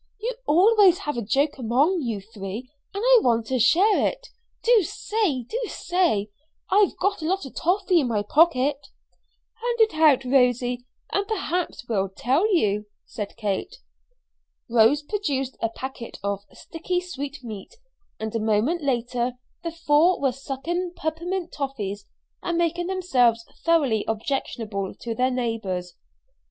"You always have a joke among you three, and I want to share it. Do say do say! I've got a lot of toffee in my pocket." "Hand it out, Rosy, and perhaps we'll tell you," said Kate. Rose produced a packet of sticky sweetmeat, and a moment later the four were sucking peppermint toffee and making themselves thoroughly objectionable to their neighbors.